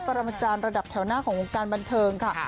ประมาณจารย์ระดับแถวหน้าของวงการบันเทิงค่ะ